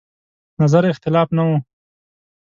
نظر اختلاف نه و.